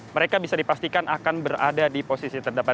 mereka bisa dipastikan akan berada di posisi terdepan